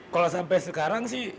kalau sampai sekarang sih